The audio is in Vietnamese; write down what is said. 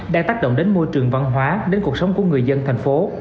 đang tác động đến môi trường văn hóa đến cuộc sống của người dân thành phố